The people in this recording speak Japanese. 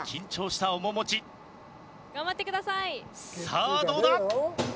さあどうだ？